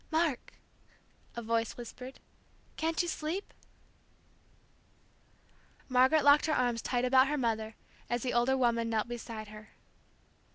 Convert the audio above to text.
"Mark " a voice whispered. "Can't you sleep?" Margaret locked her arms tight about her mother, as the older woman knelt beside her.